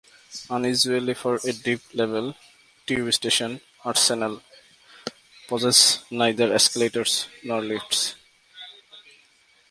Unusually for a "deep level" tube station, Arsenal possesses neither escalators nor lifts.